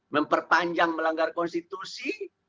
memperpanjang melanggar konstitusi